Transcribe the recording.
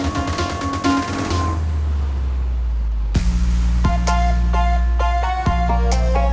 kamu kok terlalu sinaw wetifan norwegian soda